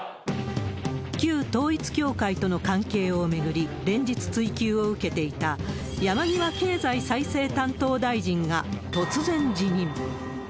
旧統一教会との関係を巡り、連日追及を受けていた山際経済再生担当大臣が、突然辞任。